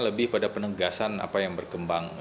lebih pada penegasan apa yang berkembang